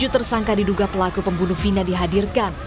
tujuh tersangka diduga pelaku pembunuh vina dihadirkan